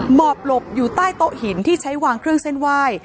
หมอบหลบอยู่ใต้โต๊ะหินที่ใช้วางเครื่องเส้นไหว้